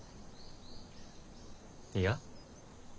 いや。